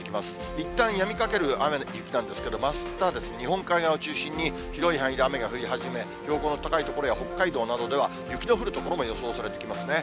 いったんやみかける雨や雪だったんですけれども、あした日本海側を中心に広い範囲で雨が降り始め、標高の高い所や北海道などでは、雪の降る所も予想されてきますね。